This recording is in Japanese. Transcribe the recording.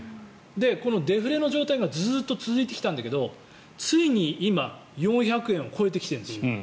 デフレの状態がずっと続いてきたんだけどついに今４００円を超えてきてるんです。